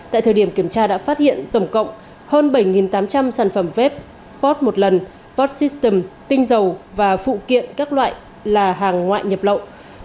tại thời điểm kiểm tra đã phát hiện tổng cộng hơn bảy tám trăm linh sản phẩm vép pot một lần pot system tinh dầu và phụ kiện các loại là hàng ngoại nhập lậu